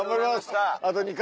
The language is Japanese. あと２回。